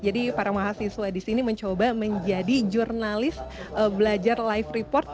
jadi para mahasiswa disini mencoba menjadi jurnalis belajar live report